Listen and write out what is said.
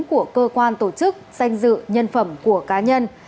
của cơ quan tổ chức danh dự nhân phẩm của cá nhân